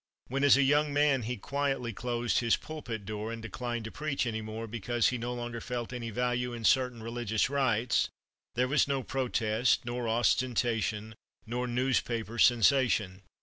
When as a young man he quietly closed his pulpit door, and declined to preach any more, because he no longer felt any value in certain religious rites, there was no protest, nor ostentation, nor newspaper "sensation."